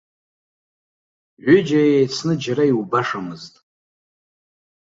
Ҩыџьа еицны џьара иубашамызт.